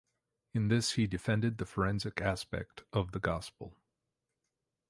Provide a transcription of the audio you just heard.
In this he defended the forensic aspect of the gospel.